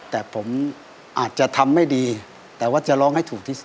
แต่ผมอาจจะทำให้ดีแต่ว่าจะร้องให้เชิญ